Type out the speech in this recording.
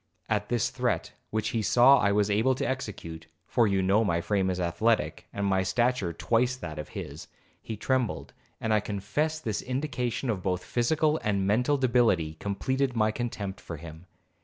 At this threat, which he saw I was able to execute, (for you know my frame is athletic, and my stature twice that of his), he trembled; and I confess this indication of both physical and mental debility completed my contempt for him.